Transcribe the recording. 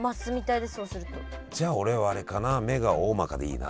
じゃあ俺はあれかな目がおおまかでいいな。